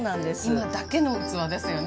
今だけの器ですよね。